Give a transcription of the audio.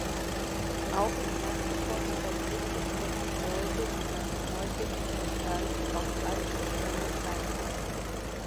Auch im Erdgeschoss verzichtet das Gebäude in seiner heutigen Gestalt auf allzu strenge Gleichheit.